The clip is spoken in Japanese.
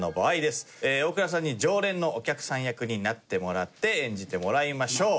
大倉さんに常連のお客さん役になってもらって演じてもらいましょう。